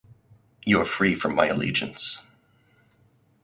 You are free from my allegiance.